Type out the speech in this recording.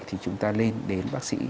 thì chúng ta lên đến bác sĩ